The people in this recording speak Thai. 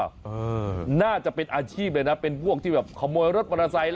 เออน่าจะเป็นอาชีพเลยนะเป็นพวกที่แบบขโมยรถปาราศัย